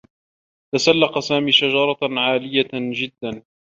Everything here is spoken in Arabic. تسلّق سامي شجرة عالية جدّا.